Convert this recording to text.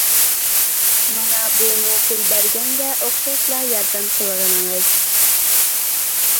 مانا بۇمۇ پۇل بەرگەنگە ئوخشاشلا ياردەم قىلغىنىڭىز.